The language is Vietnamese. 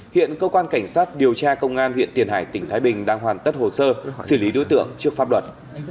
hiện cơ quan cảnh sát điều tra công an huyện tiền hải tỉnh thái bình đang hoàn tất hồ sơ xử lý đối tượng trước pháp luật